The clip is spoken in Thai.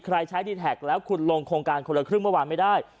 ใช้ดีแท็กแล้วคุณลงโครงการคนละครึ่งเมื่อวานไม่ได้